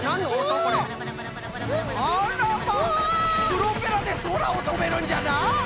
プロペラでそらをとべるんじゃな！